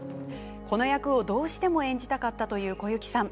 この役を、どうしても演じたかったという小雪さん。